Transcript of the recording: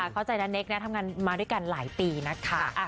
เข้าใจนะเนคนะทำงานมาด้วยกันหลายปีนะคะ